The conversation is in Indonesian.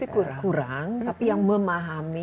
kurang tapi yang memahami